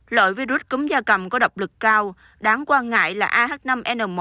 lợi virus cúm da cầm có độc lực cao đáng quan ngại là ah năm n một